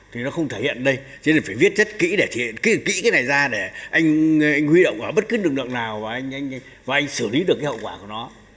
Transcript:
thì nó không thể hiện ở đây chứ phải viết rất kỹ để thể hiện kỹ cái này ra để anh huy động bất cứ lực lượng nào và anh xử lý được cái hậu quả của nó